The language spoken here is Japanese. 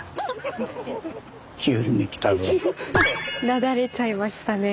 なだれちゃいましたね。